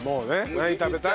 「何食べたい？」。